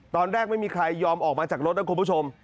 ตอนแรกไม่มีใครยอมออกมาจากรถนะคุณผู้ชม